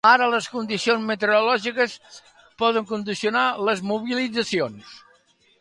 Ara, les condicions meteorològiques poden condicionar les mobilitzacions.